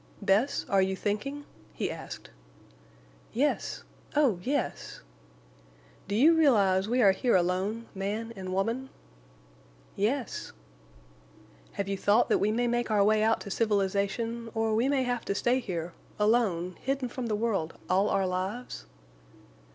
"Bess, are you thinking?" he asked. "Yes—oh yes!" "Do you realize we are here alone—man and woman?" "Yes." "Have you thought that we may make our way out to civilization, or we may have to stay here—alone—hidden from the world all our lives?"